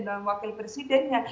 dan wakil presidennya